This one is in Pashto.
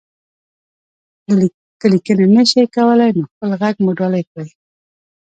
که ليکنه نشئ کولی، نو خپل غږ مو ډالۍ کړئ.